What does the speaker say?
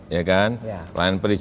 ya kan lain perizinan masyarakat